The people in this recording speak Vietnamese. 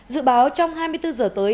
dự báo trong hai mươi bốn giờ tới